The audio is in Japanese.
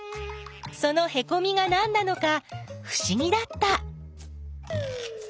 そのへこみがなんなのかふしぎだった。